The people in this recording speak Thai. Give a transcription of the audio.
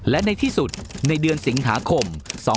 และในที่สุดในเดือนสิงหาคม๒๕๖